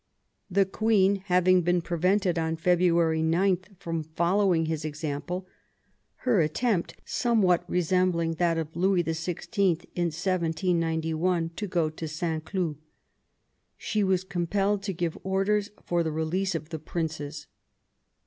The queen having been prevented on February 9 from following his example (her attempt somewhat resembling that of Louis XVI. in 1791 to go to Saint Cloud), she was compelled to give orders for the release of the princes.